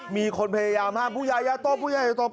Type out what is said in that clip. มีคนพยายามห้ามผู้ใหญ่อย่าตบผู้ใหญ่อย่าตบ